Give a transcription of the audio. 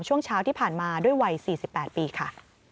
ช่วงเช้าที่ผ่านมาด้วยวัย๔๘ปีค่ะ